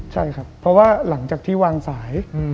ใช่ครับเพราะว่าหลังจากที่วางสาย